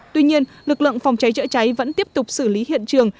tuy nhiên lực lượng phòng cháy chữa cháy vẫn tiếp tục xử lý hiện trường